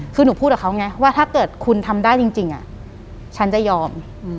คือหนูพูดกับเขาไงว่าถ้าเกิดคุณทำได้จริงฉันจะยอม